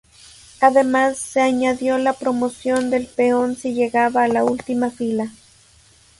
Además, se añadió la promoción del peón si llegaba a la última fila.